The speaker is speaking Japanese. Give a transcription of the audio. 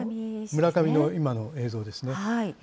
村上の今の映像ですね。